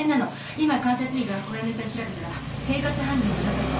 今監察医が小屋の遺体調べたら生活反応がなかった。